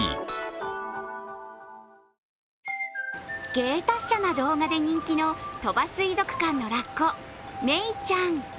芸達者な動画で人気の鳥羽水族館のラッコ、メイちゃん。